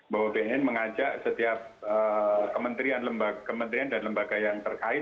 bahwa bnn mengajak setiap kementerian dan lembaga yang terkait